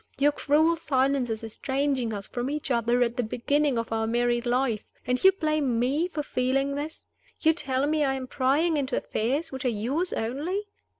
Your cruel silence is estranging us from each other at the beginning of our married life. And you blame me for feeling this? You tell me I am prying into affairs which are yours only?